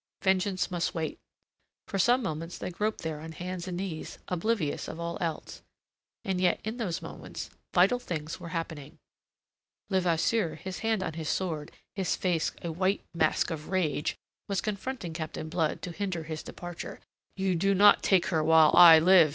Vengeance must wait. For some moments they groped there on hands and knees, oblivious of all else. And yet in those moments vital things were happening. Levasseur, his hand on his sword, his face a white mask of rage, was confronting Captain Blood to hinder his departure. "You do not take her while I live!"